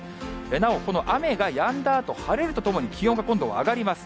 なおこの雨がやんだあと、晴れるとともに、気温が今度は上がります。